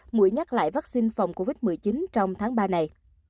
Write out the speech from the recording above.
mũi nhắc lại vaccine phòng covid một mươi chín trong tháng ba này